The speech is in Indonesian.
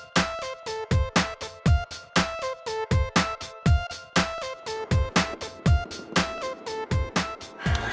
sampai ketemu lagi